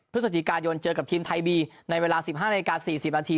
พฤศจิกายนเจอกับทีมไทยบีในเวลา๑๕นาที๔๐นาที